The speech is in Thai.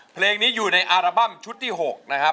เพลงนี้อยู่ในอัลบั้มชุดที่๖นะครับ